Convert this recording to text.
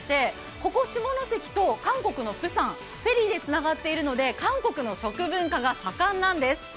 ここ下関と韓国のプサンはフェリーでつながっていまして韓国の食文化が盛んなんです。